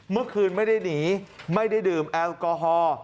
เมื่อคืนไม่ได้หนีไม่ได้ดื่มแอลกอฮอล์